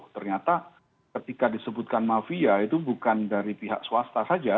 ternyata ketika disebutkan mafia itu bukan dari pihak swasta saja